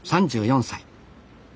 ３４歳。